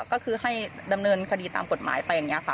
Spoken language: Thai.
ก็คือให้ดำเนินคดีตามกฎหมายไปอย่างนี้ค่ะ